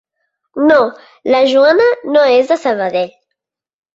No, la Joana no és de Sabadell.